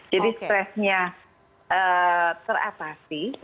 jadi stresnya teratasi